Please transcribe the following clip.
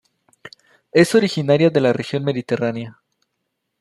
Es originaria de la región mediterránea.